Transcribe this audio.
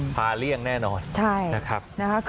เลี่ยงแน่นอนนะครับ